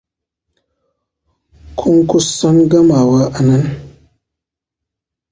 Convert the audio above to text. Kun kusan gamawa a nan?